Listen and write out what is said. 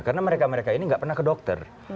karena mereka mereka ini tidak pernah ke dokter